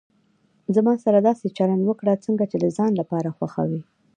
زما سره داسي چلند وکړه، څنګه چي د ځان لپاره خوښوي.